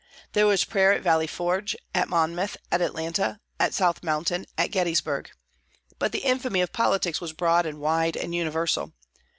There was prayer at Valley Forge, at Monmouth, at Atlanta, at South Mountain, at Gettysburg. But the infamy of politics was broad and wide, and universal.